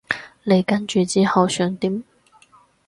你跟住之後想點？